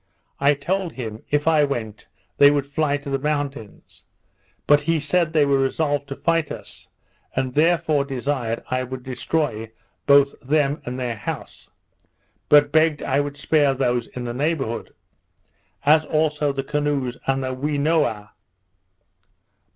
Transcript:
I told him, if I went they would fly to the mountains; but he said, they were resolved to fight us, and therefore desired I would destroy both them and their house; but begged I would spare those in the neighbourhood, as also the canoes and the Whenooa.